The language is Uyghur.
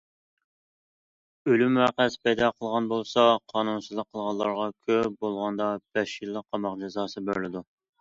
ئۆلۈم ۋەقەسى پەيدا قىلغان بولسا، قانۇنسىزلىق قىلغانلارغا كۆپ بولغاندا بەش يىللىق قاماق جازاسى بېرىلىدۇ.